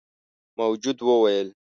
موجود وويل: